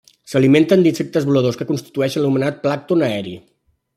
S'alimenten d'insectes voladors que constitueixen l'anomenat plàncton aeri.